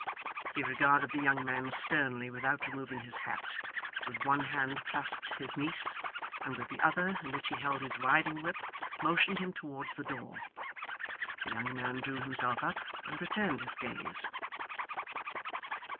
He regarded the young man sternly without removing his hat; with one hand clasped his niece, and with the other, in which he held his riding whip, motioned him towards the door. The young man drew himself up, and returned his gaze.